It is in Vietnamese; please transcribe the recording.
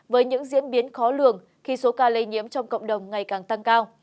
với những diễn biến khó lường khi số ca lây nhiễm trong cộng đồng ngày càng tăng cao